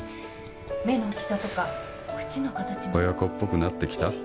目の大きさとか口の親子っぽくなってきた？